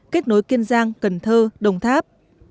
kết nối kiên giang cần thơ đồng tháp